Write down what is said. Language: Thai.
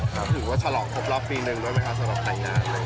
ถือว่าฉลองครบรอบปีหนึ่งด้วยไหมคะสำหรับแต่งงาน